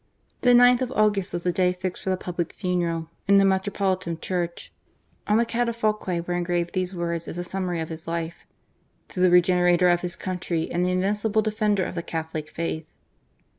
The gth of August was the day fixed for the public funeral in the metro politan church. On the catafalque were engraved these words as a summary of his life: "To the re generator of his country and the invincible defender of the Catholic faith."